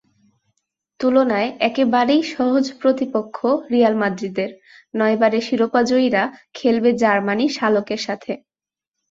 তুলনায় একেবারেই সহজ প্রতিপক্ষ রিয়াল মাদ্রিদের, নয়বারের শিরোপাজয়ীরা খেলবে জার্মানির শালকের সঙ্গে।